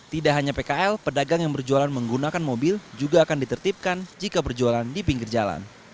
tidak hanya pkl pedagang yang berjualan menggunakan mobil juga akan ditertipkan jika berjualan di pinggir jalan